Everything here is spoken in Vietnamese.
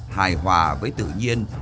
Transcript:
hài hòa với tự nhiên